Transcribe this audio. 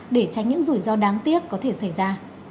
để tránh những rủi ro đáng tiếc có thể xảy ra